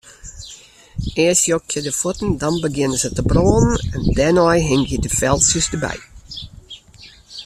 Earst jokje de fuotten, dan begjinne se te brânen, dêrnei hingje de feltsjes derby.